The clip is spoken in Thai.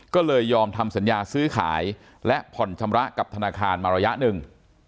ก็เลยยอมทำสัญญาซื้อขายและผ่อนชำระกับธนาคารมาระยะหนึ่ง